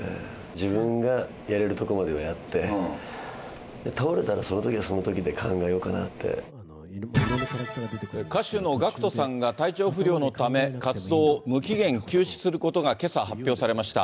自分がやれるところまではやって、倒れたら、そのときはそのときで歌手のＧＡＣＫＴさんが、体調不良のため、活動を無期限休止することがけさ発表されました。